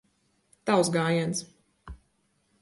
Tavs gājiens.